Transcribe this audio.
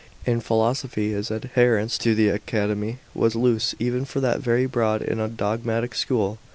"In philosophy his adherence to the Academy was loose even for that very broad and undogmatic school.